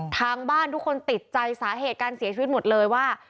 ทางบ้านทุกคนติดใจสาเหตุการเสียชีวิตหมดเลยว่า